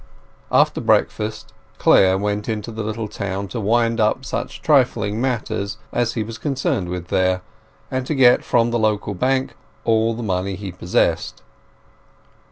After breakfast Clare went into the little town to wind up such trifling matters as he was concerned with there, and to get from the local bank all the money he possessed.